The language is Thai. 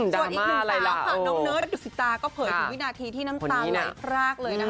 ส่วนอีกหนึ่งสาวค่ะน้องเนิร์ดดุสิตาก็เผยถึงวินาทีที่น้ำตาไหลพรากเลยนะคะ